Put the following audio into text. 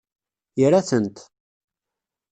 Ira-tent.